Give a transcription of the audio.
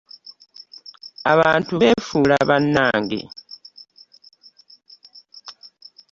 Abantu beefuula banange!